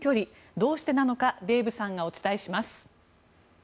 どうしてなのかデーブさんがお伝えします。